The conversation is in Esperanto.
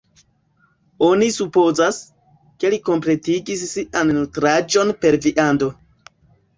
Oni supozas, ke li kompletigis sian nutraĵon per viando.